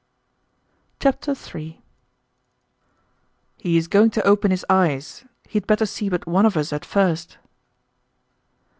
Chapter 3 "He is going to open his eyes. He had better see but one of us at first."